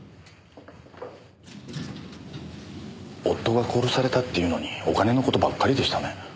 夫が殺されたっていうのにお金の事ばっかりでしたね。